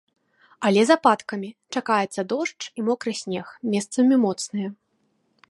Але з ападкамі, чакаецца дождж і мокры снег, месцамі моцныя.